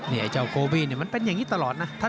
นี่ไอ้เจ้าโกวีเนี่ยมันเป็นอย่างนี้ตลอดนะ